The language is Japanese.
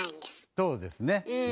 そうですね。